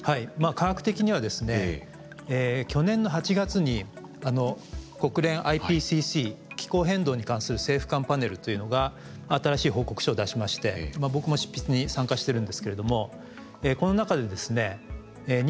科学的にはですね去年の８月に国連ＩＰＣＣ気候変動に関する政府間パネルというのが新しい報告書を出しまして僕も執筆に参加してるんですけれどもこの中でですね人間活動による地球の温暖化というのは